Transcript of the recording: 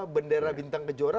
bendera bintang kejora